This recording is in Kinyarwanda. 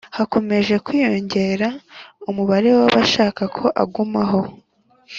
Hakomeje kwiyongera umubare w’abasaba ko agumaho